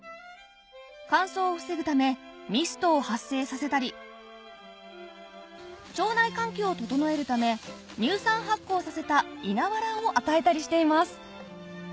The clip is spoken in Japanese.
乾燥を防ぐためミストを発生させたり腸内環境を整えるため乳酸発酵させた稲わらを与えたりしています